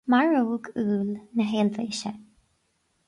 maróg úll na hEilvéise